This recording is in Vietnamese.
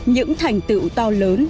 những thành tựu to lớn